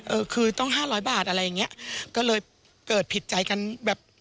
เออคือต้องห้าร้อยบาทอะไรอย่างเงี้ยก็เลยเกิดผิดใจกันแบบ